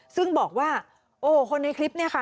ซึ่งบอกว่าโอ้โหคนในคลิปเนี่ยค่ะ